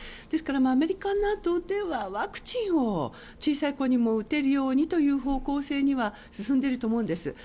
ですから、アメリカなどではワクチンを小さい子にも打てるようにという方向性には進んでいると思うんです。